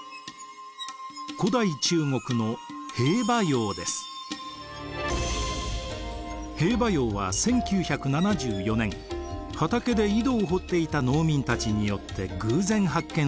古代中国の兵馬俑は１９７４年畑で井戸を掘っていた農民たちによって偶然発見されました。